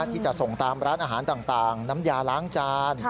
ที่จะส่งตามร้านอาหารต่างน้ำยาล้างจาน